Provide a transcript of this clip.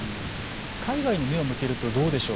海外に目を向けるとどうでしょう。